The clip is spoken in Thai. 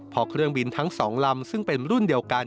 พอเครื่องบินทั้ง๒ลำซึ่งเป็นรุ่นเดียวกัน